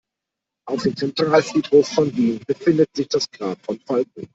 Auf dem Zentralfriedhof von Wien befindet sich das Grab von Falco.